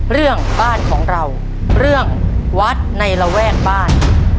เรื่องบ้านของเราเรื่องวัดในระแวกบ้าน